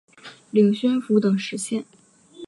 领宣府等十县。